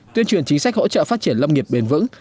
tuyên truyền chính sách hỗ trợ phát triển lâm nghiệp bền vững